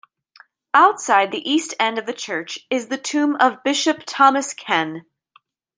Outside the east end of the church is the tomb of Bishop Thomas Ken.